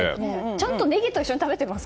ちゃんとネギと一緒に食べてますか？